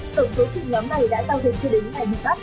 tổng tố thịnh ngắm này đã giao dịch cho đến ngày bị bắt